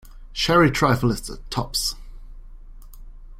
Sherry trifle is the tops!